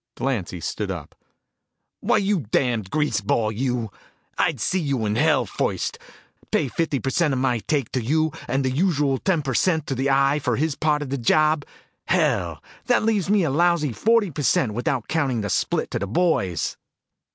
Delancy stood up. "Why you damned greaseball, you! I'd see you in hell first. Pay fifty per cent of my take to you and the usual ten per cent to the Eye for his part of the job! Hell, that leaves me a lousy forty per cent without counting the split to the boys."